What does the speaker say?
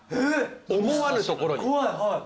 思わぬところに。